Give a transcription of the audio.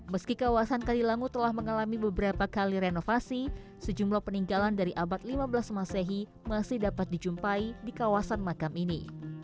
meski kawasan kadilangu telah mengalami beberapa kali renovasi sejumlah peninggalan dari abad lima belas masehi masih dapat dijumpai di kawasan makam ini